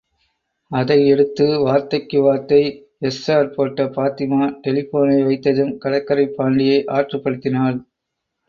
அதை எடுத்து வார்த்தைக்கு வார்த்தை, எஸ் சார் போட்ட பாத்திமா, டெலிபோனை வைத்ததும் கடற்கரைப் பாண்டியை ஆற்றுப்படுத்தினாள்.